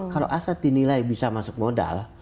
kalau aset dinilai bisa masuk modal